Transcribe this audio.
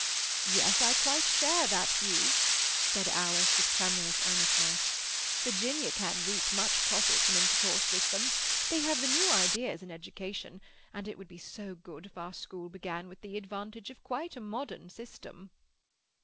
"Yes, I quite share that view," said Alice, with tremulous earnestness. "Virginia can reap much profit from intercourse with them. They have the new ideas in education, and it would be so good if our school began with the advantage of quite a modern system."